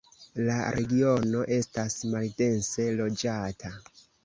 La regiono estas maldense loĝata.